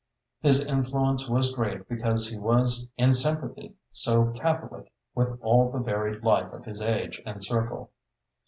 His influence was great because he was in sympathy so catholic with all the varied life of his age and circle.